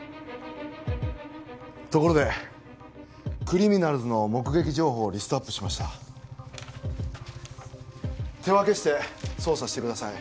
ところでクリミナルズの目撃情報をリストアップしました手分けして捜査してください